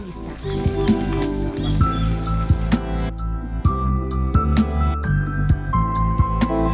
menjaganya adalah memelihara harta dunia yang tersisa